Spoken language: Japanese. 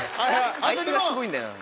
あいつがすごいんだよな。